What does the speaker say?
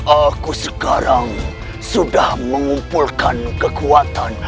aku sekarang sudah mengumpulkan kekuatan